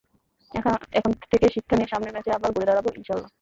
এখান থেকে শিক্ষা নিয়ে সামনের ম্যাচে আবার ঘুরে দাঁড়াব ইনশা আল্লাহ।